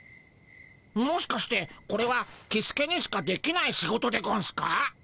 もしかしてこれはキスケにしかできない仕事でゴンスか？